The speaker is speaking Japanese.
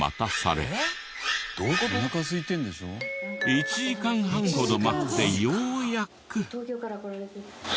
１時間半ほど待ってようやく。